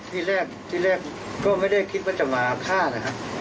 ที่แรกที่แรกก็ไม่ได้คิดว่าจะมาฆ่านะครับ